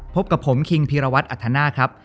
พบกับผมคิงพีรวัตรอัธนาคครับ